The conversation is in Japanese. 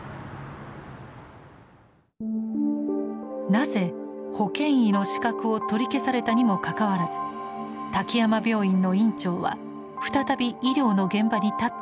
なぜ保険医の資格を取り消されたにもかかわらず滝山病院の院長は再び医療の現場に立っているのでしょうか？